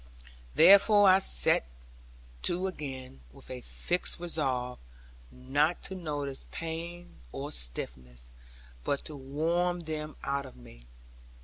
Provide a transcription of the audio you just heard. Therefore I set to again, with a fixed resolve not to notice pain or stiffness, but to warm them out of me.